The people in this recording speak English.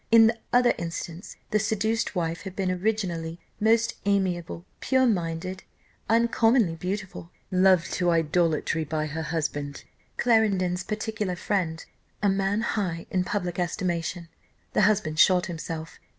In the other instance, the seduced wife had been originally most amiable, pure minded, uncommonly beautiful, loved to idolatry by her husband, Clarendon's particular friend, a man high in public estimation. The husband shot himself.